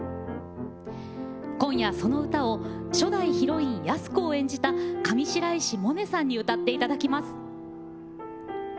今夜その歌を初代ヒロイン安子を演じた上白石萌音さんに歌っていただきます。